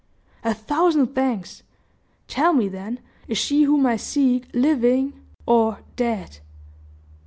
"A thousand thanks! Tell me, then, is she whom I seek living or dead?"